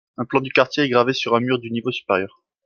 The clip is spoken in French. Un plan du quartier est gravé sur un mur du niveau supérieur.